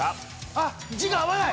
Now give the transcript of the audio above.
あっ字が合わない！